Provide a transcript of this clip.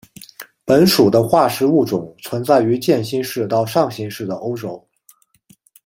本属的化石物种存在于渐新世到上新世的欧洲。